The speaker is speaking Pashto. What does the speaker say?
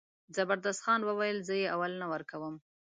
زبردست خان وویل زه یې اول نه ورکوم.